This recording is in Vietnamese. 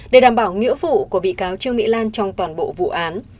để đảm bảo nghĩa vụ của bị cáo trương mỹ lan trong toàn bộ vụ án